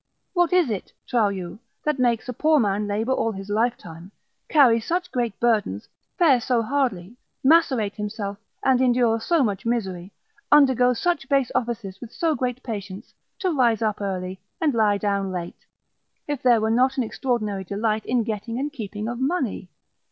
What is it, trow you, that makes a poor man labour all his lifetime, carry such great burdens, fare so hardly, macerate himself, and endure so much misery, undergo such base offices with so great patience, to rise up early, and lie down late, if there were not an extraordinary delight in getting and keeping of money?